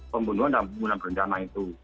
pembunuhan dan pembunuhan berencana itu